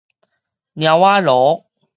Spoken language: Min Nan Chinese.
貓仔奴